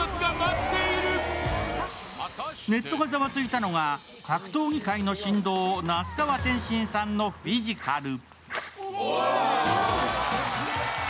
ネットがざわついたのが、格闘技界の神童・那須川天心さんのフィジカル。